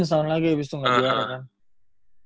setahun lagi abis itu gak juara kan